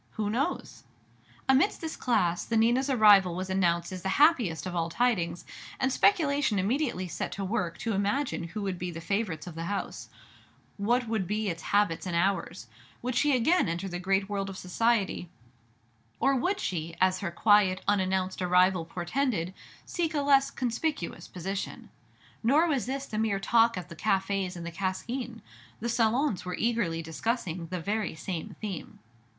Who knows? Amidst this class the Nina's arrival was announced as the happiest of all tidings; and speculation immediately set to work to imagine who would be the favorites of the house; what would be its habits and hours; would she again enter the great world of society, or would she, as her quiet, unannounced arrival portended, seek a less conspicuous position? Nor was this the mere talk of the cafés and the Cascine. The salons were eagerly discussing the very same theme.